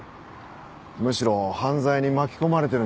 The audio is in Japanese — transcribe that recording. むしろ犯罪に巻き込まれてるんじゃないかって。